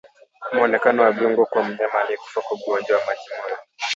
Muonekano wa viungo kwa mnyama aliyekufa kwa ugonjwa wa majimoyo